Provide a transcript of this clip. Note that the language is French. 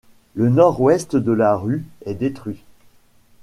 Le nord-ouest de la rue est détruit.